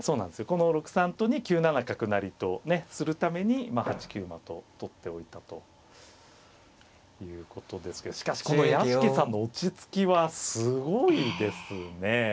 この６三とに９七角成とするために８九馬と取っておいたということですけどしかしこの屋敷さんの落ち着きはすごいですね。